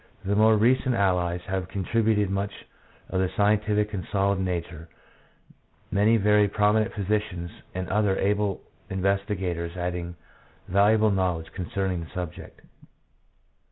The more recent allies have contributed much of a scientific and solid nature, many very prominent physicians and other able investigators adding valuable know ledge concerning the subject.